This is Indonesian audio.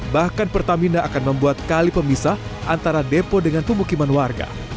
bahkan pertamina akan membuat kali pemisah antara depo dengan pemukiman warga